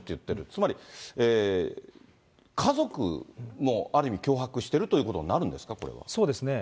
つまり、家族もある意味、脅迫しているということになそうですね。